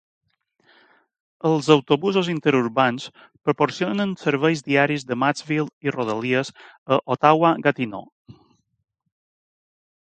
Els autobusos interurbans proporcionen serveis diaris de Maxville i rodalies a Ottawa-Gatineau.